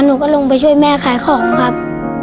หนูก็ลงไปช่วยแม่ขายของครับ